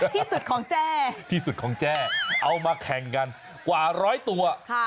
ที่สุดของแจ้ที่สุดของแจ้เอามาแข่งกันกว่าร้อยตัว